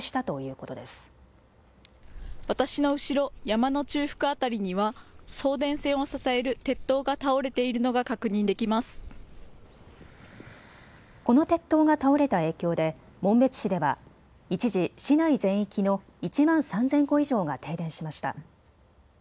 この鉄塔が倒れた影響で紋別市では一時、市内全域の１万３０００戸以上が停電しました。